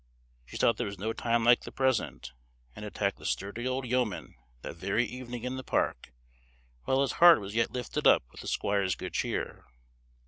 She thought there was no time like the present, and attacked the sturdy old yeoman that very evening in the park, while his heart was yet lifted up with the squire's good cheer.